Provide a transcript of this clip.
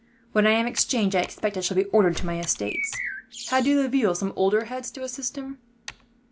When I am exchanged, I expect I shall be ordered to my estates. Had De Laville some older heads to assist him?"